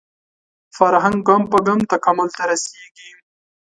فرهنګ ګام په ګام تکامل ته رسېږي